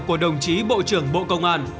của đồng chí bộ trưởng bộ công an